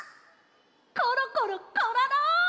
コロコロコロロ！